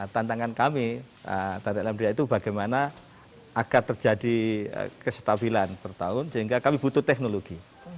tantangan kami dari lmda itu bagaimana agar terjadi kestabilan per tahun sehingga kami butuh teknologi